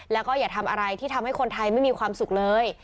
แล้วก็อย่าทำอะไรที่ทำให้คนไทยไม่มีความสุขเลย